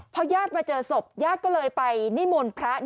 พอญาติมาเจอศพญาติก็เลยไปนิมนต์พระ